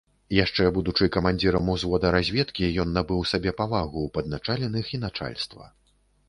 Яшчэ будучы камандзірам узвода разведкі, ён набыў сабе павагу ў падначаленых і начальства.